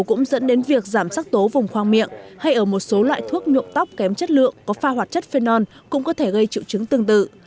cũng dẫn đến việc giảm sắc tố vùng khoang miệng hay ở một số loại thuốc nhuộm tóc kém chất lượng có pha hoạt chất phenol cũng có thể gây triệu chứng tương tự